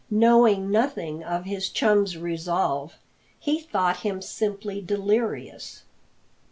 Knowing nothing of his chum's resolve, he thought him simply delirious.